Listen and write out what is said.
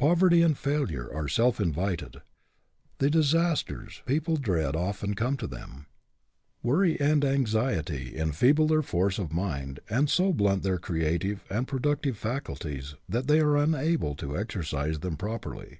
Poverty and failure are self invited. The disasters people dread often come to them. Worry and anxiety enfeeble their force of mind and so blunt their creative and produc tive faculties that they are unable to exercise them properly.